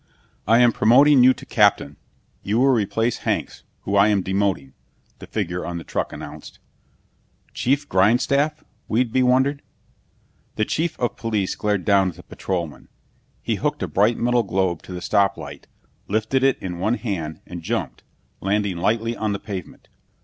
"I am promoting you to captain. You will replace Hanks, whom I am demoting," the figure on the truck announced. "Chief Grindstaff?" Whedbee wondered. The chief of police glared down at the patrolman. He hooked a bright metal globe to the stop light, lifted it in one hand, and jumped, landing lightly on the pavement.